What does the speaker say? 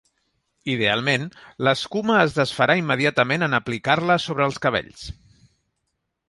Idealment, l'escuma es desfarà immediatament en aplicar-la sobre els cabells.